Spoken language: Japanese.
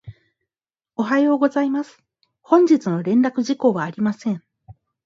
おはようございます。本日の連絡事項はありません。